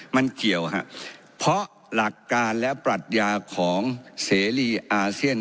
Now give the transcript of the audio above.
มันเกี่ยวครับเพราะหลักการและปรัชญาของเสรีอาเซียน